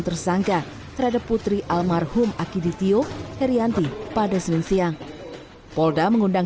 tersangka terhadap putri almarhum akiditio herianti pada senin siang polda mengundang